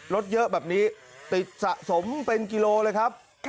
รถเยอะแบบนี้ติดสะสมเป็นกิโลเลยครับ